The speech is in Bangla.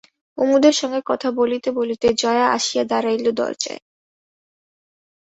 কুমুদের সঙ্গে কথা বলিতে বলিতে জয়া আসিয়া দাড়াইল দরজায়।